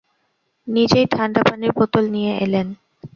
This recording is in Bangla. নিজেই ঠাণ্ডা পানির বোতল নিয়ে এলেন।